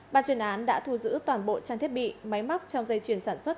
bà chuyên án đã thu giữ toàn bộ trang thiết bị